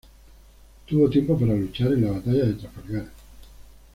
Tuvo tiempo para luchar en la Batalla de Trafalgar.